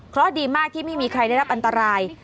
เพราะดีมากที่ไม่มีใครได้รับอันตราย